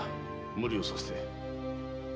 無理をさせて。